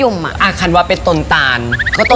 ไม่เหนื่อยแล้วดู